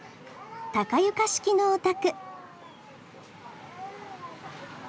高床式のお宅。